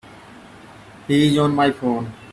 He's on my phone.